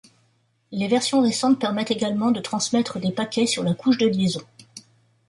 Les versions récentes permettent également de transmettre des paquets sur la couche de liaison.